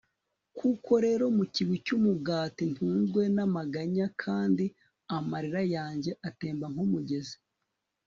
koko rero, mu kigwi cy'umugati, ntunzwe n'amaganya, kandi amarira yanjye atemba nk'umugezi